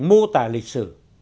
mô tả lịch sử